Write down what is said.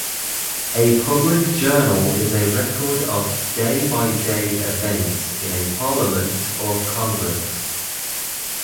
A public journal is a record of day-by-day events in a parliament or congress.